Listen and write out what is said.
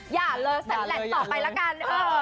อย่าเลยแสลนต่อไปละกัน